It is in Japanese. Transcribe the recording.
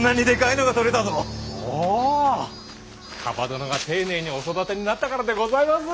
蒲殿が丁寧にお育てになったからでございます。